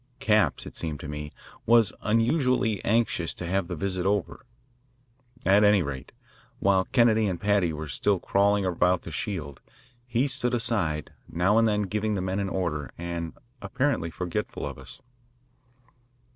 Capps, it seemed to me, was unusually anxious to have the visit over. At any rate, while Kennedy and Paddy were still crawling about the shield, he stood aside, now and then giving the men an order and apparently forgetful of us.